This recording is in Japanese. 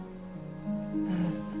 うん。